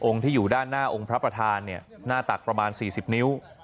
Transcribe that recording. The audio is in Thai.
ที่อยู่ด้านหน้าองค์พระประธานหน้าตักประมาณ๔๐นิ้ว